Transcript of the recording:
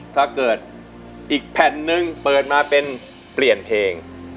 ถ้าเกิดอีกแผ่นนึงเปิดมาเป็นเปลี่ยนเพลง